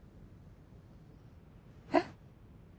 えっ？